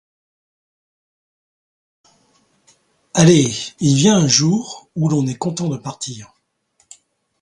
Allez, il vient un jour où l'on est content de partir.